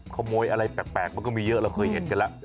ขโมยอะไรแปลกมันก็มีเยอะเราเคยเห็นกันแล้ว